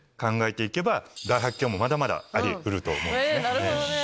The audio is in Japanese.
なるほどね。